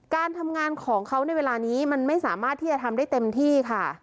การทำงานของเขาในเวลานี้มันไม่สามารถที่จะทำได้เต็มที่ค่ะ